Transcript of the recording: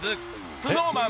ＳｎｏｗＭａｎ